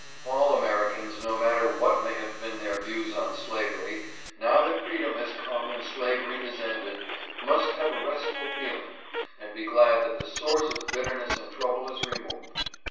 All Americans, no matter what may have been their views on slavery, now that freedom has come and slavery is ended, must have a restfid feeling and be glad that the source of bitterness and trouble is removed.